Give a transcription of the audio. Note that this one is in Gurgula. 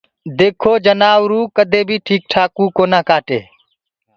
ديکو جنآوروُ ڪدي بيٚ ٺيڪ ٺآڪوُ ڪونآ ڪآٽي